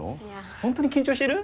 本当に緊張してる？